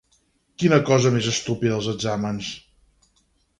Quina cosa més estúpida, els exàmens!